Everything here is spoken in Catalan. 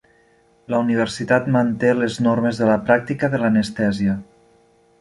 La universitat manté les normes de la pràctica de l'anestèsia.